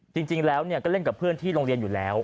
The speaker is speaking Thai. จริงแล้วก็เล่นกับเพื่อนที่โรงเรียนอยู่แล้ว